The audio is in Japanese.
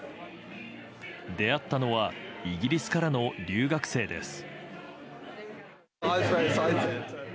出会ったのはイギリスからの留学生です。